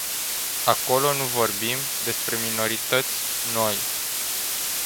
Acolo nu vorbim despre minorități noi.